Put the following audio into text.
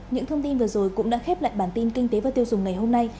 những thông tin vừa rồi cũng đã khép lại bản tin kinh tế và tiêu dùng ngày hôm nay